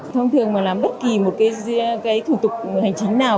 thông thường mà làm bất kỳ một cái thủ tục hành chính nào